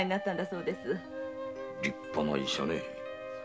立派な医者ね。